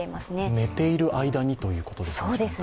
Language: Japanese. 寝ている間にということですか？